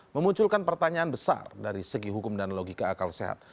memunculkan pertanyaan besar dari segi hukum dan logika akal sehat